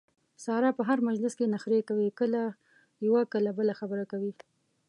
ساره په هر مجلس کې نخرې کوي کله یوه کله بله خبره کوي.